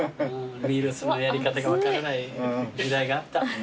ミールスのやり方が分からない時代があった。